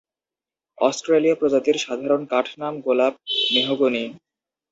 অস্ট্রেলীয় প্রজাতির সাধারণ কাঠ নাম গোলাপ মেহগনি।